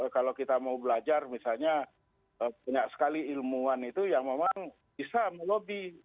kalau kita mau belajar misalnya banyak sekali ilmuwan itu yang memang bisa melobi